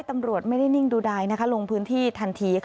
ตำรวจไม่ได้นิ่งดูดายลงพื้นที่ทันที